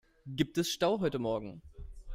Gibt es Stau heute morgen?